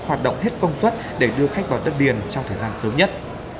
hoạt động hết công suất để đưa khách vào đất liền trong thời gian sớm nhất